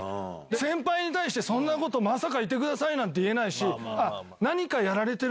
先輩に対してまさかいてくださいなんて言えないし。